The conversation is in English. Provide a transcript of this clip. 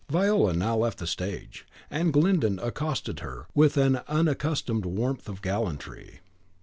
Viola now left the stage, and Glyndon accosted her with an unaccustomed warmth of gallantry.